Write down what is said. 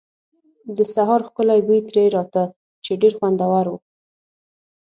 د سهار ښکلی بوی ترې راته، چې ډېر خوندور و.